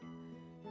ya allah ampuni kami